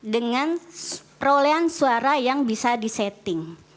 dengan perolehan suara yang bisa disetting